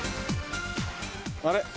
あれ？